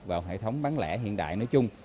vào hệ thống bán lẻ hiện đại nói chung